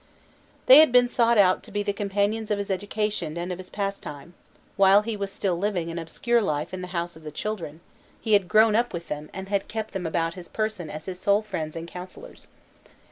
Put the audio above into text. They had been sought out to be the companions of his education and of his pastimes, while he was still living an obscure life in the "House of the Children;" he had grown up with them and had kept them about his person as his "sole friends" and counsellors.